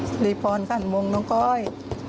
สิริพรขันวงน้องก้อย